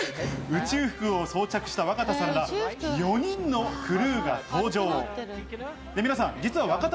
宇宙服を装着した若田さんら４人のクルーらが登場。